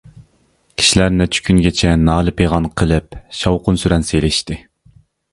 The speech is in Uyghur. كىشىلەر نەچچە كۈنگىچە نالە-پىغان قىلىپ، شاۋقۇن-سۈرەن سېلىشتى.